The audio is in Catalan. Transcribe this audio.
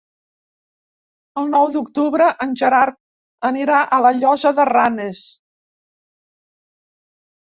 El nou d'octubre en Gerard anirà a la Llosa de Ranes.